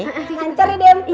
lancar ya dempeng